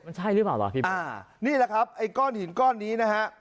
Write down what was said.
นี่แหละครับไอ้ก้อนหินก้อนนี้นะฮะ